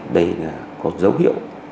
đây là có dấu hiệu